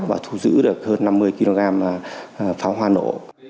và thu giữ được hơn năm mươi kg pháo hoa nổ